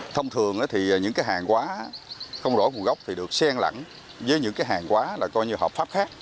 thông thường thì những cái hàng hóa không rõ nguồn gốc thì được sen lẳng với những cái hàng hóa là coi như hợp pháp khác